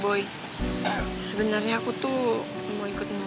boy sebenarnya aku tuh mau ikut